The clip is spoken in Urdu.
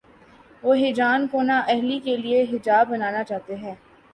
وہ ہیجان کو نا اہلی کے لیے حجاب بنانا چاہتے ہیں۔